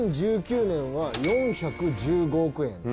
２０１９年は４１５億円。